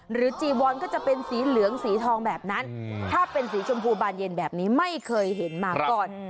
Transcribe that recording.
จีวอนก็จะเป็นสีเหลืองสีทองแบบนั้นถ้าเป็นสีชมพูบานเย็นแบบนี้ไม่เคยเห็นมาก่อน